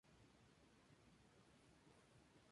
Más tarde, va Panamá con Michael Scofield y Lincoln Burrows.